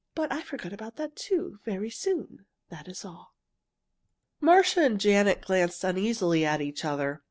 But I forgot that, too, very soon. That is all." Marcia and Janet glanced uneasily at each other.